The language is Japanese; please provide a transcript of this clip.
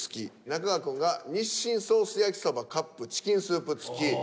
中川くんが「日清ソース焼そばカップチキンスープ付き」。